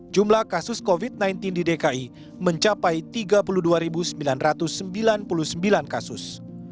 jumlah kasus covid sembilan belas di dki mencapai tiga puluh dua sembilan ratus sembilan puluh sembilan kasus